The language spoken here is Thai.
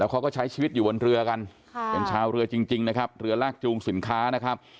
แล้วเขาก็ใช้ชีวิตอยู่บนเรือกันเป็นชาวเรือจริงเรือลากจูงสินค้า